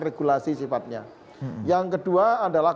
regulasi sifatnya yang kedua adalah